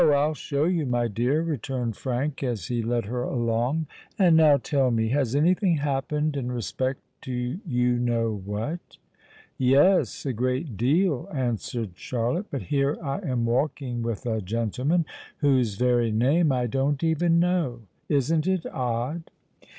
I'll show you, my dear," returned Frank, as he led her along. "And now tell me—has anything happened in respect to you know what?" "Yes—a great deal," answered Charlotte. "But here I am walking with a gentleman whose very name I don't even know! Isn't it odd?"